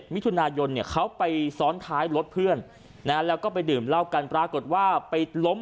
มิถุนายนเนี่ยเขาไปซ้อนท้ายรถเพื่อนนะแล้วก็ไปดื่มเหล้ากันปรากฏว่าไปล้ม